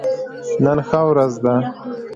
نن ښه ورځ ده